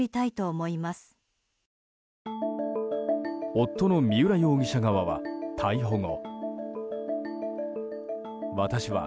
夫の三浦容疑者側は逮捕後。